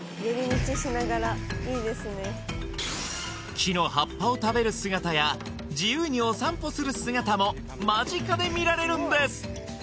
木の葉っぱを食べる姿や自由にお散歩する姿も間近で見られるんです！